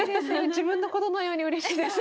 自分のことのようにうれしいです。